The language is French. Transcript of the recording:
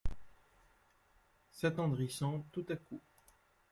S’attendrissant tout à coup.